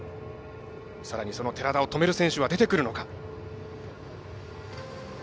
さらに、その寺田を止める選手は出てくるのか。